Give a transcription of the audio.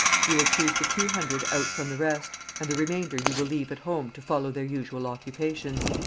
You will choose the two hundred out from the rest, and the remainder you will leave at home to follow their usual occupations.